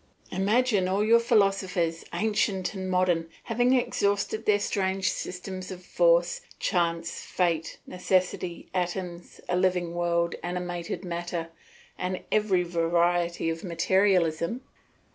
Imagine all your philosophers, ancient and modern, having exhausted their strange systems of force, chance, fate, necessity, atoms, a living world, animated matter, and every variety of materialism.